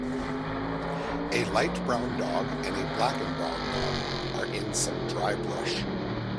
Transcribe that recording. A light brown dog and a black and brown dog are in some dry brush